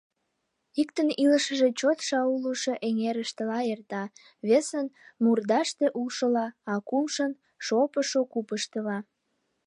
Иктын илышыже чот шаулышо эҥерыштыла эрта, весын — мурдаште улшыла, а кумшын — шопышо купыштыла.